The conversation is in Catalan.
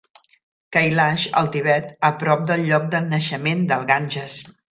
Kailash, al Tibet, a prop del lloc de naixement del Ganges.